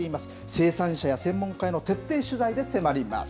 生産者や専門家への徹底取材で迫ります。